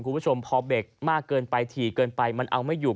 คุณผู้ชมพอเบรกมากเกินไปถี่เกินไปมันเอาไม่อยู่